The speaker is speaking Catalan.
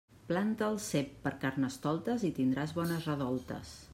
Planta el cep per Carnestoltes i tindràs bones redoltes.